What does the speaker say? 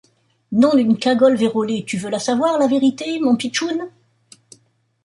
Non d’une cagole vérolée tu veux la savoir, la vérité, mon pitchoun ?